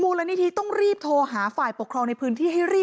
มูลละนี้ที่ต้องรีบโทรหาฝ่ายปกครองในพื้นที่